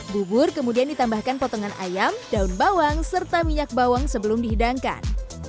bubur kemudian ditambahkan potongan ayam daun bawang serta minyak bawang sebelum dihidangkan